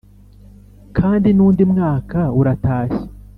kandi n` undi mwaka uratashye